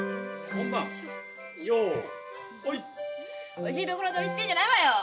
おいしいところ取りしてんじゃないわよ！